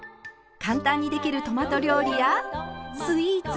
簡単にできるトマト料理やスイーツ。